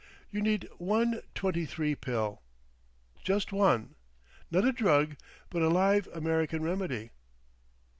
YOU NEED ONE TWENTY THREE PILL. (JUST ONE.) NOT A DRUG BUT A LIVE AMERICAN REMEDY.